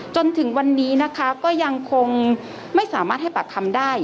จนถึงวันนี้นะคะก็ยังคงไม่สามารถให้ปากคำได้